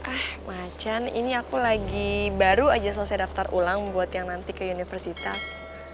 ah macan ini aku lagi baru aja selesai daftar ulang buat yang nanti ke universitas